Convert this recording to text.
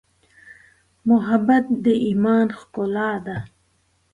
محبت د ایمان ښکلا ده.